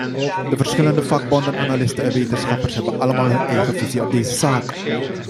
De verschillende vakbonden, analisten en wetenschappers hebben allemaal hun eigen visie op deze zaak.